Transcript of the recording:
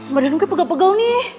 badan gue pegel pegel nih